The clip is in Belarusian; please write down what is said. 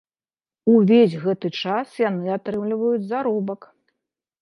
Увесь гэты час яны атрымліваюць заробак.